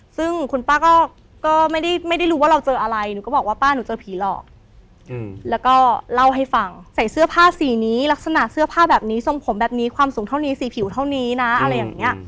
ซึ่งคุณป้าก็ไม่ได้รู้ว่าเราเจออะไรหนูก็บอกว่าป้าหนูเจอผีหลอกแล้วก็เล่าให้ฟังใส่เสื้อผ้าสีนี้ลักษณะเสื้อผ้าแบบนี้ทรงผมแบบนี้ความสูงเท่านี้สีผิวเท่านี้นะอะไรอย่างนี้